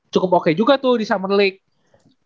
cukup oke juga tuh di summer league